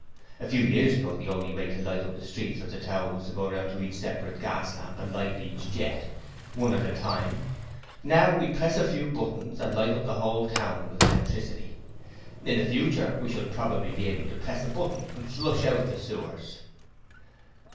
A few years ago the only way to light up the streets of a town was to go round to each separate gas lamp and light each jet, one at a time: now, we press a few buttons and light up the town with electricity. In the future we shall probably be able to press a button and flush the sewers.'